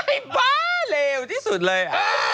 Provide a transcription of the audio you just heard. บ้าเลวที่สุดเลย